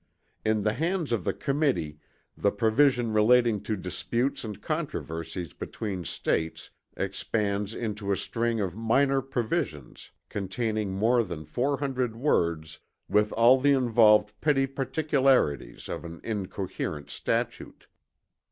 In the hands of the Committee the provision relating to disputes and controversies between States expands into a string of minor provisions containing more than 400 words with all the involved petty particularities of an incoherent statute.